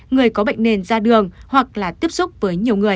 người có bệnh nền ra đường hoặc là tiếp xúc với nhiều người